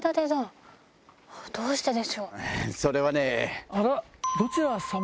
⁉それはね。